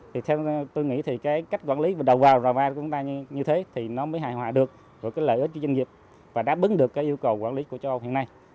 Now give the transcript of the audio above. thì theo tôi nghĩ thì cái cách quản lý và đầu vào ròva của chúng ta như thế thì nó mới hài hòa được rồi cái lợi ích cho doanh nghiệp và đáp ứng được cái yêu cầu quản lý của châu âu hiện nay